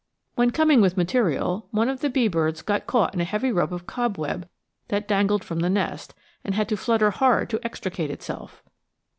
When coming with material, one of the bee birds got caught in a heavy rope of cobweb that dangled from the nest, and had to flutter hard to extricate itself.